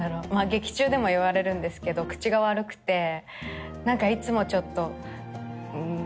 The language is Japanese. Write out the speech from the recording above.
劇中でも言われるんですけど口が悪くて何かいつもちょっとうん